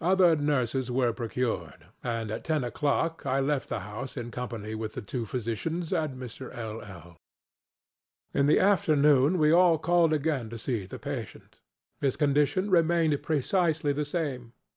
Other nurses were procured; and at ten oŌĆÖclock I left the house in company with the two physicians and Mr. LŌĆöl. In the afternoon we all called again to see the patient. His condition remained precisely the same.